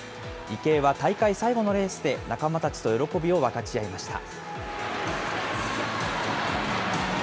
池江は大会最後のレースで仲間たちと喜びを分かち合いました。